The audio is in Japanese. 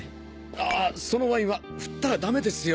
あぁそのワインは振ったらダメですよ。